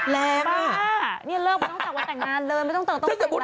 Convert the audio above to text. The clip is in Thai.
แรงมากนี่เลิกไม่ต้องจับวันแต่งนานเลย